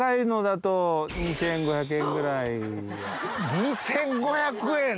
２５００円！